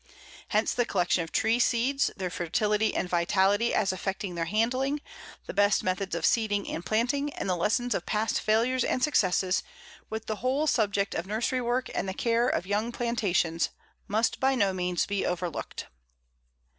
Hence the collection of tree seeds, their fertility and vitality as affecting their handling, the best methods of seeding and planting, and the lessons of past failures and successes, with the whole subject of nursery work and the care of young plantations, must by no means be overlooked.